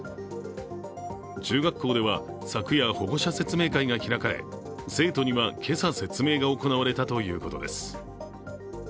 中学校では昨夜、保護者説明会が開かれ生徒には今朝、説明が行われたということです。